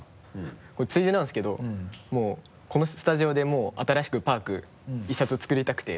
これついでなんですけどこのスタジオで新しく「ｐａｒｋ」１冊作りたくて。